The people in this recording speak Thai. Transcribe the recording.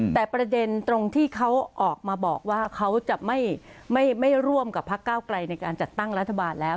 แต่ประเด็นตรงที่เขาออกมาบอกว่าเขาจะไม่ร่วมกับพักเก้าไกลในการจัดตั้งรัฐบาลแล้ว